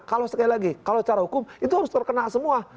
kalau sekali lagi kalau secara hukum itu harus terkena semua